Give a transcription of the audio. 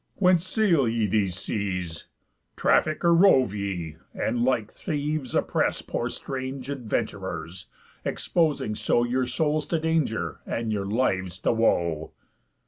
Whence sail ye these seas? Traffic, or rove ye, and like thieves oppress Poor strange adventurers, exposing so Your souls to danger, and your lives to woe?